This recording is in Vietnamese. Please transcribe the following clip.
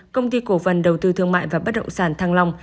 công ty cổ phần đầu tư thương mại và bất động sản thăng long